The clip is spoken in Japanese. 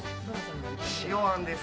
塩あんです。